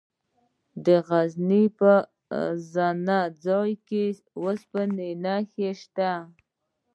د غزني په زنه خان کې د اوسپنې نښې شته.